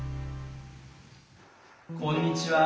こんにちは。